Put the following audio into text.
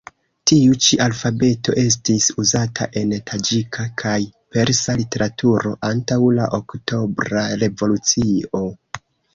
Tiu-ĉi alfabeto estis uzata en taĝika kaj persa literaturo antaŭ la Oktobra revolucio.